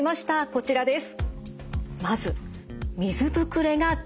こちらです。